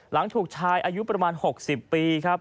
หลังถูกชายอายุประมาณ๖๐ปีครับ